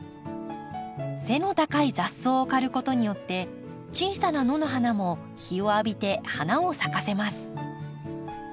背の高い雑草を刈ることによって小さな野の花も日を浴びて花を咲かせます。